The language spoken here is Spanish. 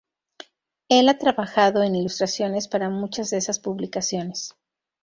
Él ha trabajado en ilustraciones para muchas de esas publicaciones.